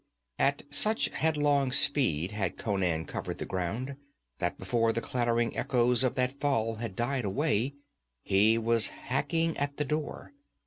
At such headlong speed had Conan covered the ground that before the clattering echoes of that fall had died away, he was hacking at the door.